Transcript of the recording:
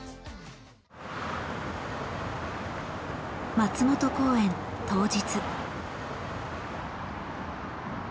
松本公演当日。